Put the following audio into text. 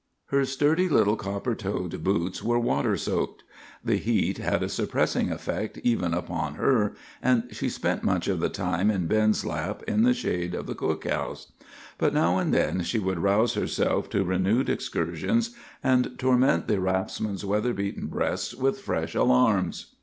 Her sturdy little copper toed boots were water soaked. The heat had a suppressing effect even upon her, and she spent much of the time in Ben's lap in the shade of the cook house; but now and then she would rouse herself to renewed excursions, and torment the raftsmen's weather beaten breasts with fresh alarms.